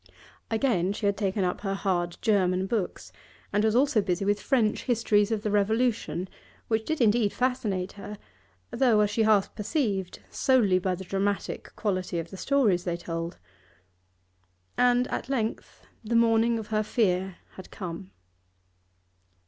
Again she had taken up her hard German books, and was also busy with French histories of revolution, which did indeed fascinate her, though, as she half perceived, solely by the dramatic quality of the stories they told. And at length the morning of her fear had come.